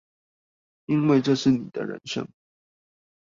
因為這是你的人生